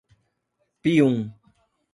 Pium